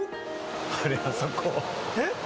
あれ、あそこ？